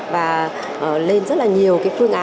và lên rất nhiều phương án